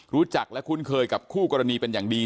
รู้จักและคุ้นเคยกับคู่กรณีเป็นอย่างดี